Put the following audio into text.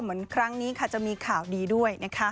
เหมือนครั้งนี้ค่ะจะมีข่าวดีด้วยนะคะ